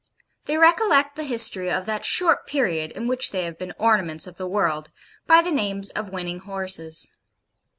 They recollect the history of that short period in which they have been ornaments of the world by the names of winning horses.